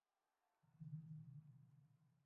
مصنوعي ځیرکتیا د شعور پوښتنه ژوره کوي.